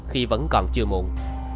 khi vẫn còn chưa muộn